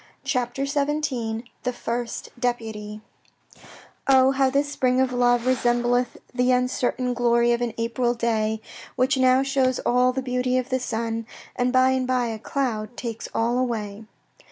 CHAPTER XVII THE FIRST DEPUTY Oh, how this spring of love resembleth The uncertain glory of an April day, Which now shows all the beauty of the sun, And by and by a cloud takes all away.